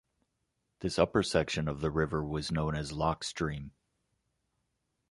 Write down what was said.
This upper section of the river was known as Lock Stream.